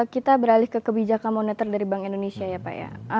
kita beralih ke kebijakan moneter dari bank indonesia ya pak ya